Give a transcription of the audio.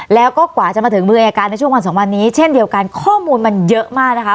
แล้วก็กว่าจะมาถึงมืออายการในช่วงวันสองวันนี้เช่นเดียวกันข้อมูลมันเยอะมากนะคะ